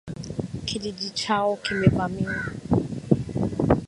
Kijiji chao kimevamiwa.